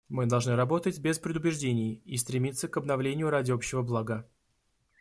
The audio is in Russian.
Мы должны работать без предубеждений и стремиться к обновлению ради общего блага.